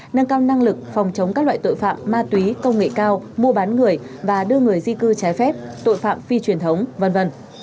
nâng cao năng lực phòng chống các loại tội phạm ma túy công nghệ cao mua bán người và đưa người di cư trái phép tội phạm phi truyền thống v v